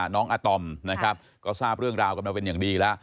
น้องอาตอมนะครับก็ทราบเรื่องราวกันมาเป็นอย่างดีแล้ว